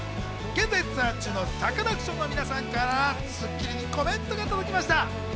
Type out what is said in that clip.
現在ツアー中のサカナクションの皆さんから『スッキリ』にコメントが届きました。